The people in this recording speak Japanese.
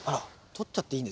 取っちゃっていい。